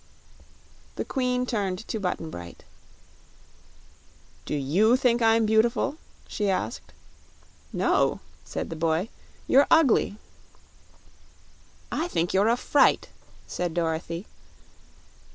The Queen turned to Button Bright. "Do YOU think I'm beautiful?" she asked. "No," said the boy; "you're ugly." "I think you're a fright," said Dorothy.